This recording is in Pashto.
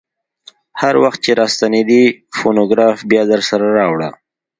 هر وخت چې راستنېدې فونوګراف بیا درسره راوړه.